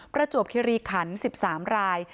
ประจวบคิริขัน๑๓ราย